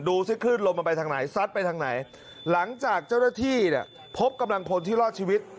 ซิคลื่นลมมันไปทางไหนซัดไปทางไหนหลังจากเจ้าหน้าที่เนี่ยพบกำลังพลที่รอดชีวิต